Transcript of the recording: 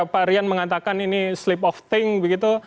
pak rian mengatakan ini sleep of thing begitu